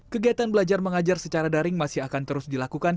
kegiatan belajar mengajar secara daring masih akan terus dilakukan